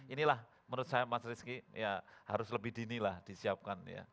inilah menurut saya mas rizky ya harus lebih dini lah disiapkan ya